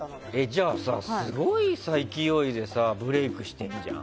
じゃあさ、すごい勢いでブレークしてるじゃん。